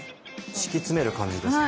敷き詰める感じですか？